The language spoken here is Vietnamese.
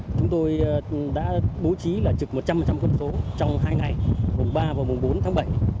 chúng tôi đã bố trí là trực một trăm linh cơn số trong hai ngày vùng ba và vùng bốn tháng bảy